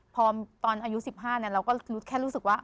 พอตอนอายุ๑๕เราก็แค่รู้สึกว่า